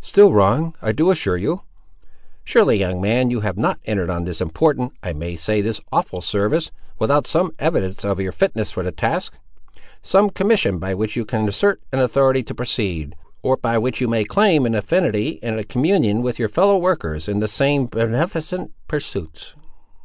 "Still wrong, I do assure you." "Surely, young man, you have not entered on this important—I may say, this awful service, without some evidence of your fitness for the task! Some commission by which you can assert an authority to proceed, or by which you may claim an affinity and a communion with your fellow workers in the same beneficent pursuits!"